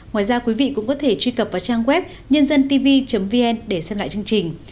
ngoài ra quý vị cũng có thể truy cập vào trang web nhândântv vn để xem lại chương trình